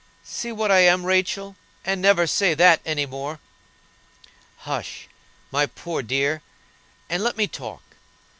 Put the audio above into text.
"See what I am, Rachel, and never say that any more!" "Hush, my poor dear, and let me talk.